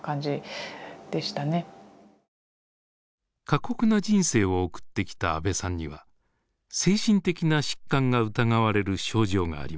過酷な人生を送ってきた阿部さんには精神的な疾患が疑われる症状がありました。